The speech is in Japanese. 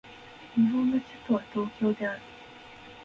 日本の首都は東京である